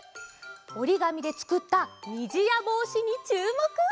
おりがみでつくったにじやぼうしにちゅうもく！